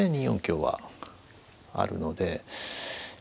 ２四香はあるので。